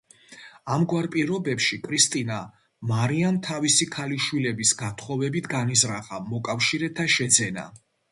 ამგვარ პირობებში კრისტინა მარიამ თავისი ქალიშვილების გათხოვებით განიზრახა მოკავშირეთა შეძენა.